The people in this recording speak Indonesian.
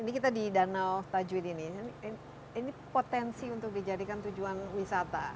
ini kita di danau tajwin ini ini potensi untuk dijadikan tujuan wisata